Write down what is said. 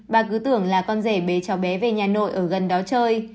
bà cứ tưởng là con rể bế cháu bé về nhà nội ở gần đó chơi